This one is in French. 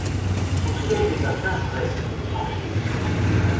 Son siège est à Saint-Prex, en Suisse.